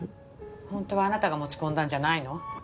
本当はあなたが持ち込んだんじゃないの？